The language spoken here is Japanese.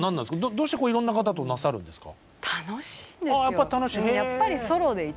どうしていろんな方となさるんですか？